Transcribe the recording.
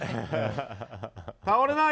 倒れない！